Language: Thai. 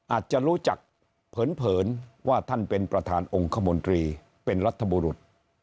อาจจะรู้จักเผินว่าท่านเป็นประธานองค์คมนตรีเป็นรัฐบุรุษ